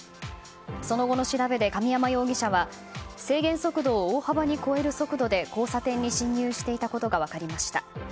その後の調べで神山容疑者は制限速度を大幅に超える速度で交差点に進入していたことが分かりました。